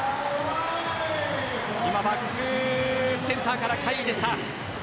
今、バックセンターから甲斐でした。